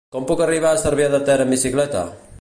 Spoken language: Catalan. Com puc arribar a Cervià de Ter amb bicicleta?